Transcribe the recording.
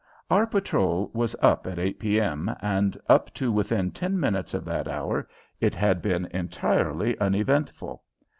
Our patrol was up at 8 P.M., and up to within ten minutes of that hour it had been entirely uneventful.